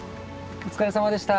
お疲れさまでした。